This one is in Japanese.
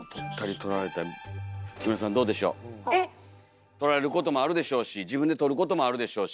⁉撮られることもあるでしょうし自分で撮ることもあるでしょうし。